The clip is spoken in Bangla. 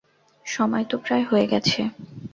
সময় তো প্রায় হয়ে গেছে।